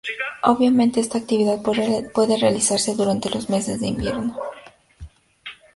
Obviamente, esta actividad puede realizarse durante los meses de invierno.